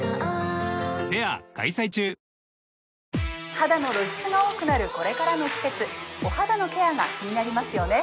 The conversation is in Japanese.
肌の露出が多くなるこれからの季節お肌のケアが気になりますよね